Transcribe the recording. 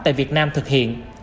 tại việt nam thực hiện